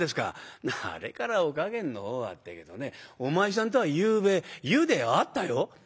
「『あれからお加減のほうは』って言うけどねお前さんとはゆうべ湯で会ったよ」。